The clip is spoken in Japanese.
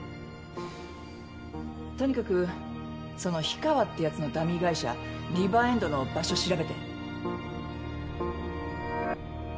とにかくその氷川ってやつのダミー会社リバーエンドの場所調べて。